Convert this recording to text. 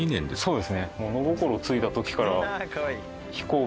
そうですね。